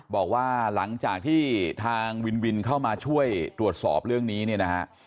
บอกว่าหลังจากที่ทางวินวินเข้ามาช่วยตรวจสอบเรื่องนี้เนี่ยนะฮะ